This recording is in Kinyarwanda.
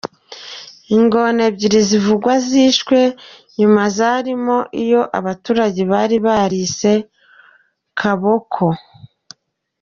Ingona ebyiri bivugwa zishwe nyuma zarimo iyo abaturage bari barise “Kaboko”.